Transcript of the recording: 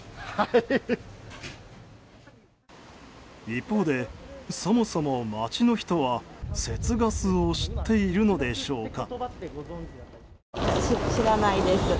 一方で、そもそも街の人は節ガスを知っているのでしょうか。